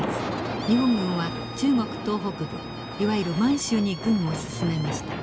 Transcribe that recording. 日本軍は中国東北部いわゆる満州に軍を進めました。